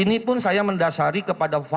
ini pun saya mendasari kepada